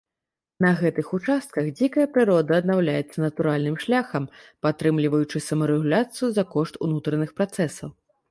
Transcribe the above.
На гэтых участках дзікая прырода аднаўляецца натуральным шляхам, падтрымліваючы самарэгуляцыю за кошт унутраных працэсаў.